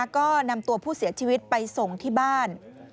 ก็นำตัวผู้เสียชีวิตไปส่งที่บ้าน